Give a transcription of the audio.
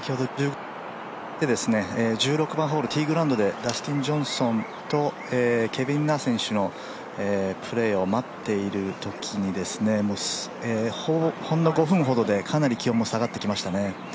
１６番ホールティーグラウンドでダスティン・ジョンソンとケビン・ナ選手のプレーを待っているときにほんの５分ほどでかなり気温も下がってきました。